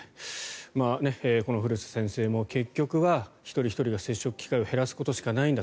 この古瀬先生も結局は一人ひとりが接触機会を減らすことしかないんだ。